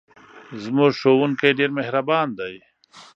زموږ ښوونکی ډېر مهربان دی.